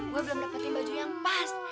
gue belum dapetin baju yang pas